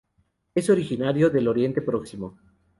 Es originario del Oriente próximo.